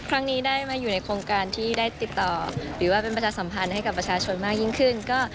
ครั้งนี้มาอยู่ในโครงการที่ได้ติดต่อสัมพันธ์ให้พลังประชาชนมากยิ่งขึ้น